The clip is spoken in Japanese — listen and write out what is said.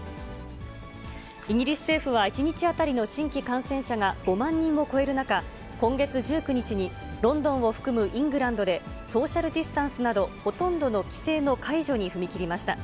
イギリス政府は１日当たりの新規感染者が５万人を超える中、今月１９日にロンドンを含むイングランドで、ソーシャルディスタンスなど、ほとんどの規制の解除に踏み切りました。